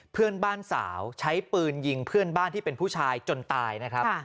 เพื่อนบ้านสาวใช้ปืนยิงเพื่อนบ้านที่เป็นผู้ชายจนตายนะครับ